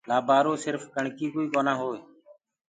لآبآرو سِرڦ ڪڻڪي ڪوئي جونآ هوئي۔